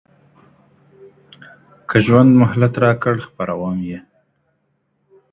که ژوند مهلت راکړ خپروم یې.